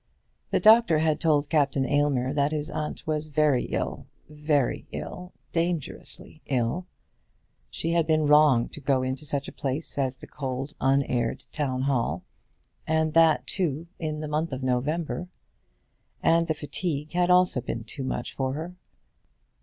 The doctor had told Captain Aylmer that his aunt was very ill very ill, dangerously ill. She had been wrong to go into such a place as the cold, unaired Town hall, and that, too, in the month of November; and the fatigue had also been too much for her.